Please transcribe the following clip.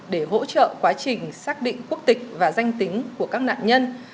để hỗ trợ quá trình xác định quốc tịch và danh tính của các nạn nhân